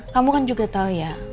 kamu kan juga tahu ya